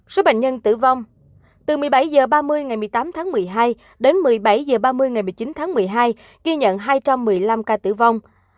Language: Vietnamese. số bệnh nhân tử vong từ một mươi bảy h ba mươi ngày một mươi tám tháng một mươi hai đến một mươi bảy h ba mươi ngày một mươi chín tháng một mươi hai ghi nhận hai trăm một mươi năm ca tử vong